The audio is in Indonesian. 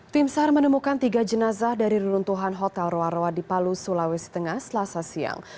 tim sar menemukan tiga jenazah dari reruntuhan hotel roa roa di palu sulawesi tengah selasa siang